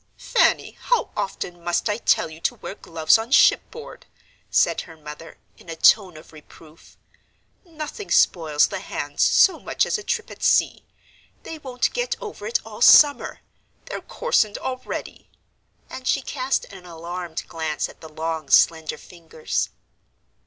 "Fanny, how often must I tell you to wear gloves on shipboard?" said her mother, in a tone of reproof. "Nothing spoils the hands so much as a trip at sea. They won't get over it all summer; they're coarsened already," and she cast an alarmed glance at the long, slender fingers.